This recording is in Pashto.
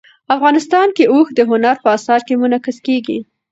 افغانستان کې اوښ د هنر په اثار کې منعکس کېږي.